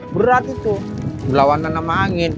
berat itu berlawanan sama angin